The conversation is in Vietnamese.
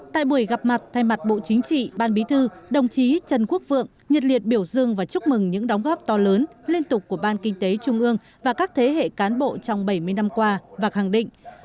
tại buổi gặp mặt thay mặt bộ chính trị ban bí thư đồng chí trần quốc vượng nhiệt liệt biểu dương và chúc mừng những đóng góp to lớn liên tục của ban kinh tế trung ương và các thế hệ cán bộ trong bảy mươi năm qua và khẳng định